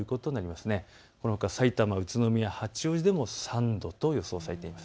そのほか、さいたま、宇都宮、八王子でも３度と予想されています。